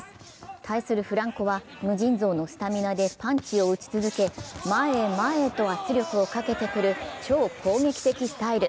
対するフランコは無尽蔵のスタミナでパンチを打ち続け、前へ前へと圧力をかけてくる超攻撃的スタイル。